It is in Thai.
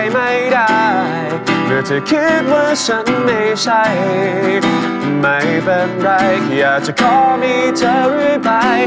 ไม่เป็นไรเขียนจะขอมีเธอไว้ไป